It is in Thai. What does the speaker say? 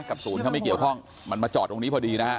ศูนย์เขาไม่เกี่ยวข้องมันมาจอดตรงนี้พอดีนะฮะ